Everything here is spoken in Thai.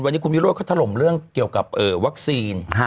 วันนี้คุณวิโรธเขาถล่มเรื่องเกี่ยวกับวัคซีน